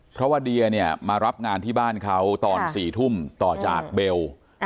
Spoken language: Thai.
เพราะว่าเดียเนี่ยมารับงานที่บ้านเขาตอน๔ทุ่มต่อจากเบล